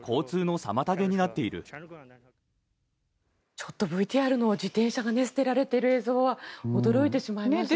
ちょっとＶＴＲの自転車が捨てられている映像は驚いてしまいますね。